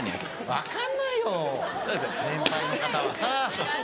分かんないよ年配の方はさ。